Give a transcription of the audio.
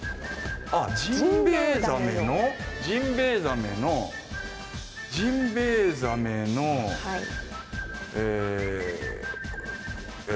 あっ「ジンベエザメ」の「ジンベエザメ」の「ジンベエザメ」のええ。